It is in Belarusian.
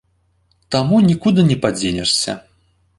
Таму нікуды не падзенешся.